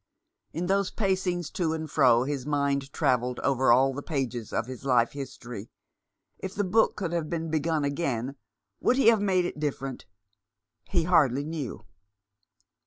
In those pacings to and fro his mind travelled over all the pages of his life history. If the book could have been begun again, would he have made it different ? He hardly knew.